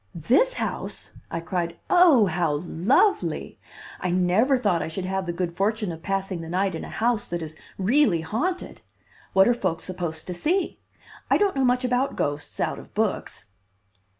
"This house!" I cried. "Oh, how lovely! I never thought I should have the good fortune of passing the night in a house that is really haunted. What are folks supposed to see? I don't know much about ghosts out of books."